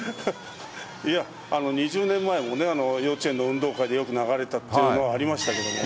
２０年前もね、幼稚園の運動会でよく流れたっていうのはありましたけれども。